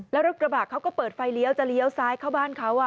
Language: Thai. แล้วรถกระบะเขาก็เปิดไฟเลี้ยวจะเลี้ยวซ้ายเข้าบ้านเขา